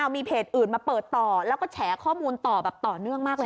มีเพจอื่นมาเปิดต่อแล้วก็แฉข้อมูลต่อแบบต่อเนื่องมากเลย